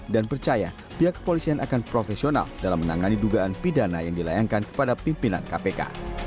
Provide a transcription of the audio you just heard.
dan percaya pihak kepolisian akan profesional dalam menangani dugaan pidana yang dilayangkan kepada pimpinan kpk